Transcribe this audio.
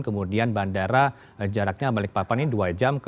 kemudian bandara jaraknya balikpapan ini dua jam